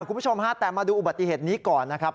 คุณผู้ชมฮะแต่มาดูอุบัติเหตุนี้ก่อนนะครับ